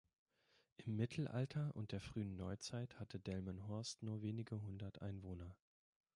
Im Mittelalter und der frühen Neuzeit hatte Delmenhorst nur wenige hundert Einwohner.